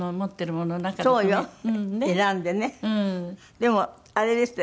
でもあれですって？